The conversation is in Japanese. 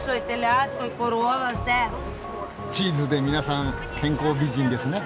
チーズで皆さん健康美人ですね？